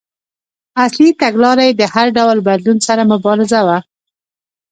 اصلي تګلاره یې د هر ډول بدلون سره مبارزه وه.